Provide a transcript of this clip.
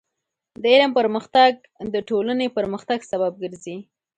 د علم پرمختګ د ټولنې پرمختګ سبب ګرځي.